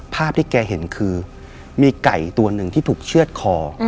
ภาพที่แกเห็นคือมีไก่ตัวหนึ่งที่ถูกเชื่อดคอ